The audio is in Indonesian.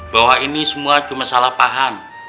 bahwa ini semua cuma salah paham